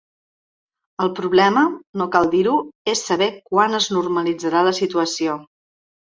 El problema, no cal dir-ho, és saber quan es normalitzarà la situació.